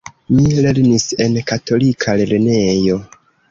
Mi lernis en katolika lernejo.